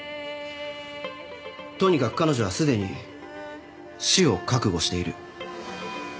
とにかく彼女はすでに死を覚悟している。